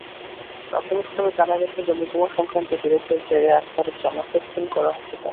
প্রাথমিকভাবে জানা গেছে, জমিজমাসংক্রান্ত বিরোধের জেরে আখতারুজ্জামানকে খুন করা হতে পারে।